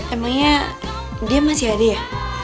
emangnya dia masih ada ya